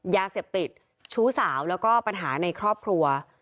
ยาเสพติดชู้สาวแล้วก็ปัญหาในครอบครัว